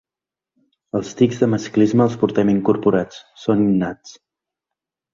Els tics del masclisme els portem incorporats, són innats.